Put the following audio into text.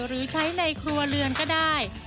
หรือใช้ในครัวเรือนก็ได้